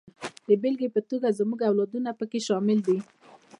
د بېلګې په توګه زموږ اولادونه پکې شامل دي.